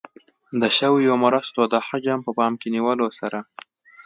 د شویو مرستو د حجم په پام کې نیولو سره.